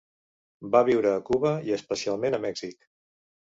Va viure a Cuba i especialment a Mèxic.